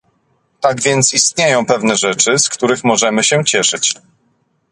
Tak więc istnieją pewne rzeczy, z których możemy się cieszyć